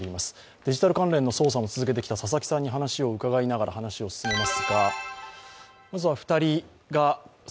デジタル関連の捜査も続けてきた佐々木さんに伺いながら話を進めます。